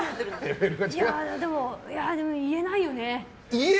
でも、言えないよね。